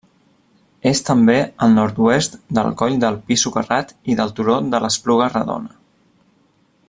És també al nord-oest del Coll de Pi Socarrat i del Turó de l'Espluga Redona.